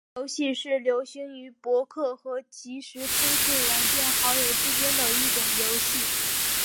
点名游戏是流行于博客和即时通讯软件好友之间的一种游戏。